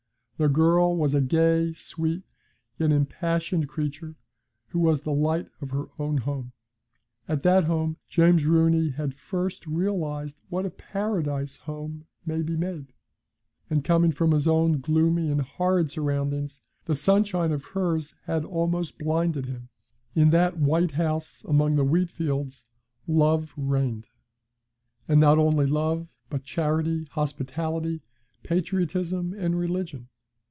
The girl was a gay, sweet, yet impassioned creature who was the light of her own home. At that home James Rooney had first realised what a paradise home may be made; and coming from his own gloomy and horrid surroundings, the sunshine of hers had almost blinded him. In that white house among the wheatfields love reigned. And not only love, but charity, hospitality, patriotism, and religion.